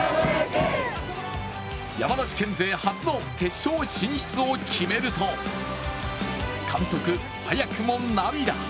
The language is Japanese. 山梨県勢初の決勝進出を決めると監督、早くも涙。